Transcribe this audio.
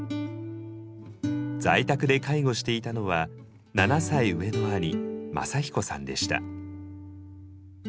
在宅で介護していたのは７歳上の兄正彦さんでした。